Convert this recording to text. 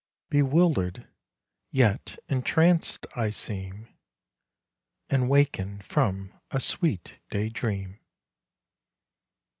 Bewildered, yet entranced I seem, And 'waken from a sweet day dream.